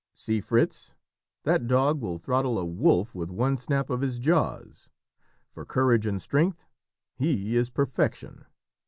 "See, Fritz, that dog will throttle a wolf with one snap of his jaws. For courage and strength, he is perfection.